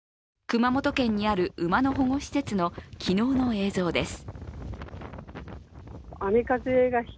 熊本県にある馬の保護施設の昨日の映像です。